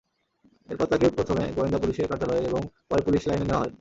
এরপর তাঁকে প্রথমে গোয়েন্দা পুলিশের কার্যালয়ে এবং পরে পুলিশ লাইনে নেওয়া হয়।